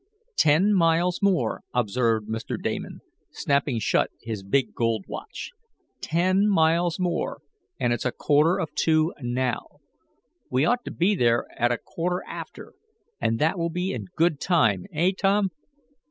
"Ten miles more," observed Mr. Damon, snapping shut his big gold watch. "Ten miles more, and it's a quarter of two now. We ought to be there at a quarter after, and that will be in good time, eh, Tom?"